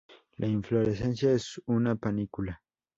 La inflorescencia es una panícula.